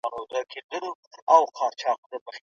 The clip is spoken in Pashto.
ما غوښتل چې ستا نظر هم په دې اړه واورم.